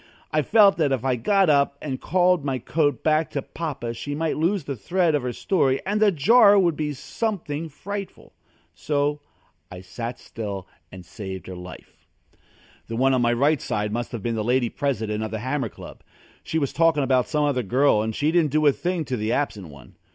I felt that if I got up and called my coat back to Papa she might lose the thread of her story, and the jar would be something frightful. So I sat still and saved her life. The one on my right must have been the Lady President of The Hammer Club. She was talking about some other girl and she didn't do a thing to the absent one.